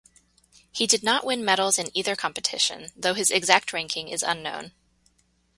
He did not win medals in either competition, though his exact ranking is unknown.